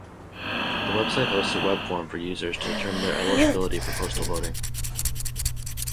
The website hosts a webform for users to determine their eligibility for postal voting